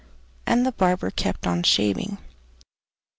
And the barber kept on shaving.